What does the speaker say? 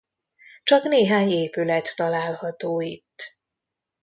Csak néhány épület található itt.